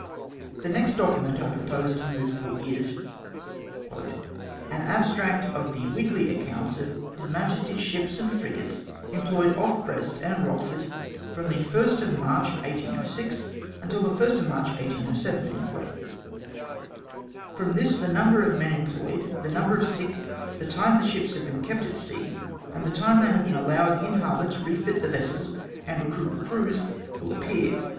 '"The next document I propose to move for is — "An abstract of the weekly accounts of H. M.'s ships and frigates employed off Brest and Rochefort, from the 1st of March, 1806, until the 1st of March, 1807." From this the number of men employed, the number of sick, the time the ships have been kept at sea, and the time they have been allowed in harbour to refit the vessels and recruit the crews, will ap pear.